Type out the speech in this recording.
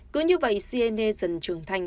cứ như vậy siene dần trưởng thành